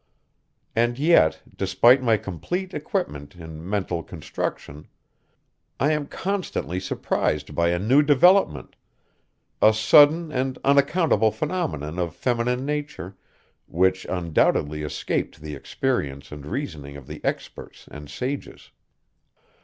And yet, despite my complete equipment in mental construction, I am constantly surprised by a new development, a sudden and unaccountable phenomenon of feminine nature, which undoubtedly escaped the experience and reasoning of the experts and sages.